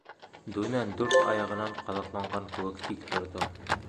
Дүнән дүрт аяғынан ҡаҙаҡланған кеүек тик торҙо.